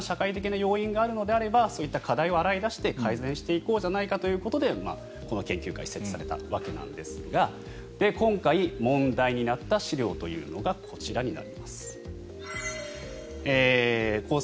この数字の背景にもなんらかの社会的な要因があるのであれば課題を洗い出して改善していこうじゃないかということでこの研究会は設置されたんですが今回、問題になった資料というのがこちらになります。